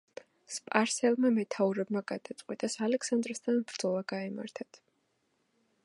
სპარსელმა მეთაურებმა გადაწყვიტეს ალექსანდრესთან ბრძოლა გაემართათ.